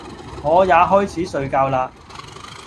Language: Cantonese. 我也開始睡覺啦！